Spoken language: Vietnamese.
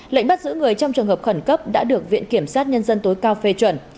lệnh bắt giữ người trong trường hợp khẩn cấp đã được viện kiểm sát nhân dân tối cao phê chuẩn